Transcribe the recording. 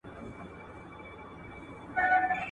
ګاونډیان هم یو بل سره مرسته کوي.